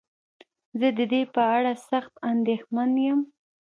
زه ددې په اړه سخت انديښمن يم.